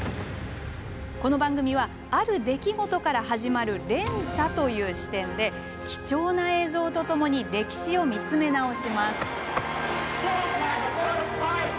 「ある出来事から始まる連鎖」という視点で貴重な映像とともに歴史を見つめ直します。